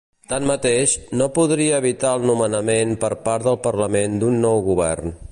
Tanmateix, no podria evitar el nomenament per part del parlament d’un nou govern.